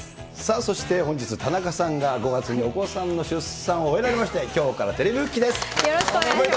そして、本日、田中さんが５月にお子さんの出産を終えられまして、きょうからテよろしくお願いいたします。